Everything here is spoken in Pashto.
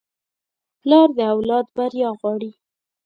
پلار د اولاد بریا غواړي.